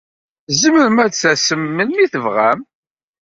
Tzemrem ad d-tasem melmi ay tebɣam.